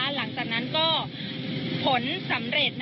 หลังจากนั้นก็ผลสำเร็จ